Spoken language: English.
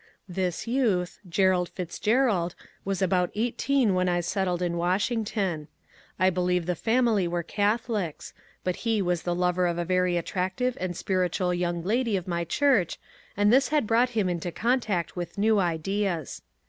This youth, Gerald Fitz Grerald, was about eighteen when I settled in Washington. I believe the family were Catholics, but he was the lover of a very attractive and spirituelle young lady of my church, and this had brought him into contact with new ideas.